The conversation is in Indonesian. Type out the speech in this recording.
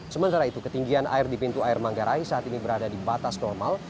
sementara itu ketinggian air di pintu air manggarai saat ini berada di batas normal